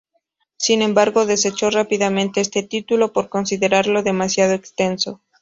Sin embargo, desechó rápidamente este título, por considerarlo demasiado extenso.